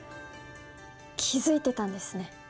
気づいてたんですね